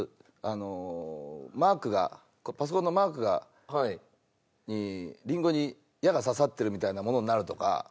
マークがパソコンのマークにりんごに矢が刺さってるみたいなものになるとか。